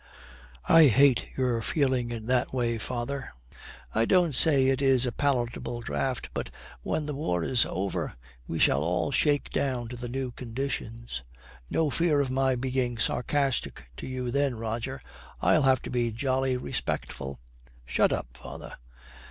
'I hate your feeling it in that way, father.' 'I don't say it is a palatable draught, but when the war is over we shall all shake down to the new conditions. No fear of my being sarcastic to you then, Roger. I'll have to be jolly respectful.' 'Shut up, father!'